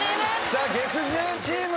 さあ月１０チーム。